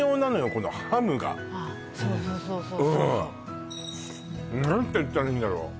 このハムがあっそうそううん何て言ったらいいんだろ